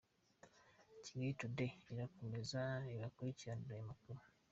Kigali Today irakomeza ibakurikiranire aya makuru.